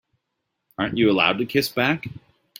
Aren't you allowed to kiss back?